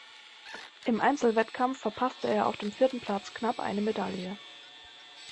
Im Einzelwettkampf verpasste er auf dem vierten Platz knapp eine Medaille.